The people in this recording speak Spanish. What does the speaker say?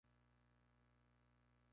Su presencia es incierta en Guyana.